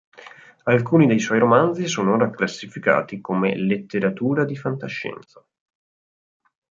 Alcuni dei suoi romanzi sono ora classificati come letteratura di fantascienza.